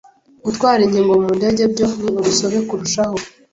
gutwara inkingo mu ndege byo ni urusobe kurushaho.